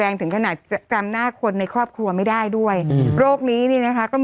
เนอะหล่อมากเลยอ่ะอ่ะ